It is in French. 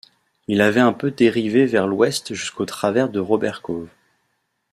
Il avait un peu dérivé vers l’ouest jusqu’au travers de Roberts-Cove.